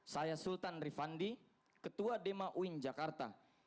saya sultan rifandi ketua dema uin jakarta